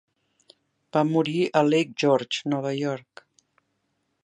Va morir a Lake George, Nova York.